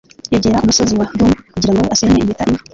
yegera umusozi wa Doom kugirango asenye impeta imwe